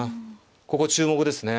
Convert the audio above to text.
ここ注目ですね。